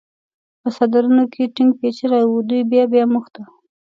په څادرونو کې ټینګ پېچلي و، دوی بیا بیا موږ ته.